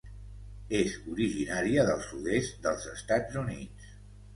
És originària del sud-est dels Estats Units.